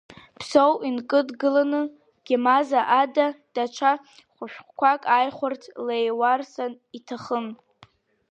Ԥсоу инкыдгыланы, Гемаза ада даҽа хәышәқәак ааихәарц Леуарсан иҭахын.